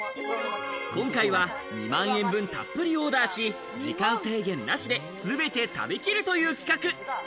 今回は２万円分たっぷりオーダーし、時間制限なしで、全て食べきるという企画。